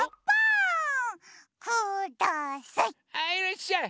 はいいらっしゃい！